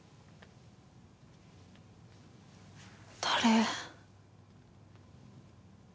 誰？